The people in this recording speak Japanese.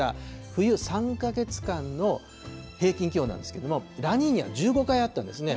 冬３か月間の平均気温なんですけれども、ラニーニャが１５回あったんですね。